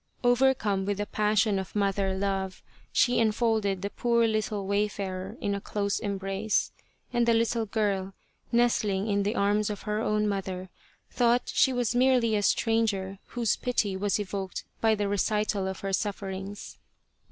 Overcome with the passion of mother love, she enfolded the poor little wayfarer in a close embrace, and the little girl, nestling in the arms of her own mother, thought she was merely a stranger whose pity was evoked by the recital of her sufferings.